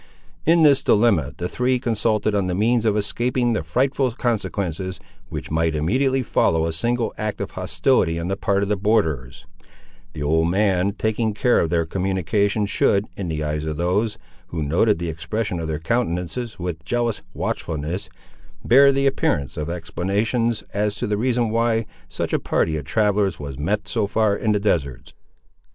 In this dilemma the three consulted on the means of escaping the frightful consequences which might immediately follow a single act of hostility on the part of the borderers; the old man taking care that their communication should, in the eyes of those who noted the expression of their countenances with jealous watchfulness, bear the appearance of explanations as to the reason why such a party of travellers was met so far in the deserts.